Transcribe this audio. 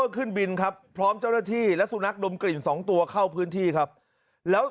หาวหาวหาวหาวหาวหาวหาวหาวหาวหาว